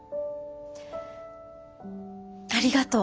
ありがとう。